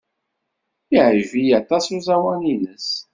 Yeɛjeb-iyi aṭas uẓawan-nnes.